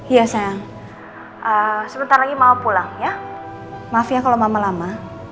iya sayang sebentar lagi mau pulang ya maaf ya kalau mama lama